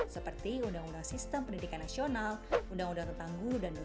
seperti undang undang sistem pendidikan nasional undang undang retanggu dan dpr